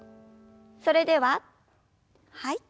それでははい。